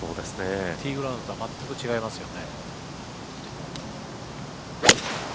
ティーグラウンドとは全く違いますよね。